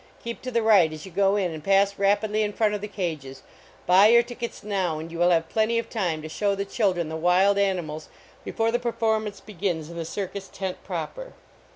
Keep to the right as you go in and pass rapidly in front of the cages. Buy your tickets now and you will have plenty of time to show the children the wild animals before the performance begins in the circus tent proper.